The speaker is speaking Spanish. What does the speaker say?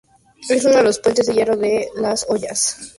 Es uno de los puentes de hierro de Las Hoyas.